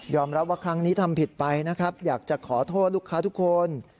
รับว่าครั้งนี้ทำผิดไปนะครับอยากจะขอโทษลูกค้าทุกคน